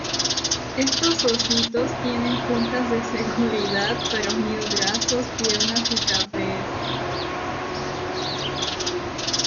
Estos ositos tienen juntas de seguridad para unir brazos, piernas y cabezas.